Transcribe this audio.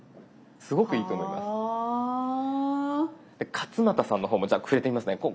勝俣さんの方もじゃあ触れてみますね。